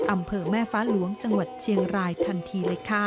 อำเภอแม่ฟ้าหลวงจังหวัดเชียงรายทันทีเลยค่ะ